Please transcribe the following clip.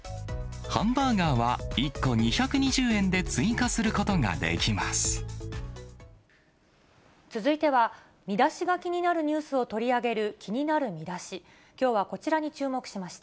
ハンバーガーは１個２２０円続いては、見出しが気になるニュースを取り上げる気になるミダシ。